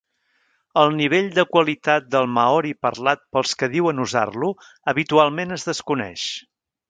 El nivell de qualitat del maori parlat pels que diuen usar-lo habitualment es desconeix.